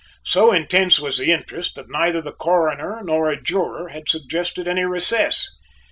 So intense was the interest that neither the Coroner nor a juror had suggested any recess.